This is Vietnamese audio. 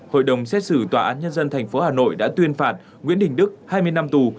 hội đồng xét xử tòa án nhân dân tp hà nội đã tuyên phạt nguyễn đình đức hai mươi năm tù